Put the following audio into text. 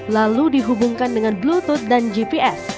lalu dihubungkan dengan bluetooth dan gps